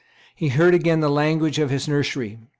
He heard again the language of his nursery.